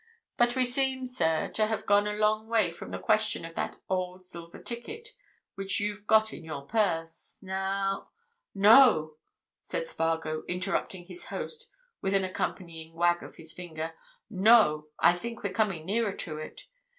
But we seem, sir, to have gone a long way from the question of that old silver ticket which you've got in your purse. Now——" "No!" said Spargo, interrupting his host with an accompanying wag of his forefinger. "No! I think we're coming nearer to it.